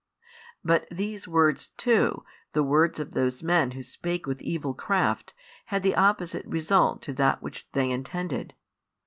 But these words too, the words of those men who spake with evil craft, had the opposite result to that which they intended.